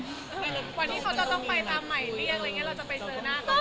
วันที่เขาจะต้องไปตามหมายเรียกอะไรอย่างนี้เราจะไปเจอหน้าเขา